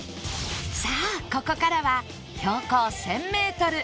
さあここからは標高１０００メートル